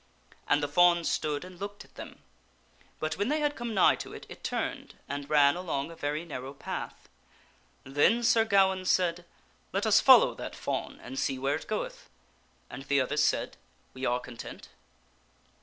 And the fawn stood and looked at them, but when they had come nigh to it, it turned and ran along a very narrow path. Then Sir Gawaine said, " Let us follow that fawn and see where it goeth." And the others said, " We are content."